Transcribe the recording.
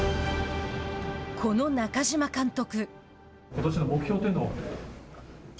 この中嶋監督。